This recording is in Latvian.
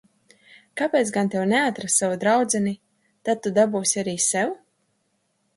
Kāpēc gan tev neatrast savu draudzeni, tad tu dabūsi arī sev?